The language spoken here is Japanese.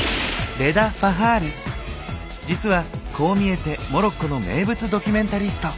実はこう見えてモロッコの名物ドキュメンタリスト。